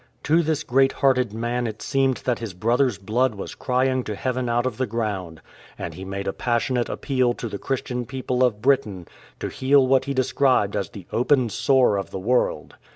To this great hearted man it seemed that his brother's blood was crying to heaven out of the ground, and he made a passionate appeal to the Christian people of Britain to heal what he described as " the open sore of the world."